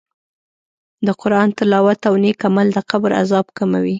د قرآن تلاوت او نېک عمل د قبر عذاب کموي.